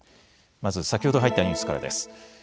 まず先ほど入ったニュースからです。